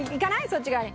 そっち側に。